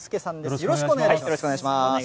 よろしくお願いします。